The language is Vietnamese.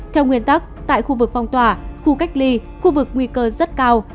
theo nguyên tắc tại khu vực phong tỏa khu cách ly khu vực nguy cơ rất cao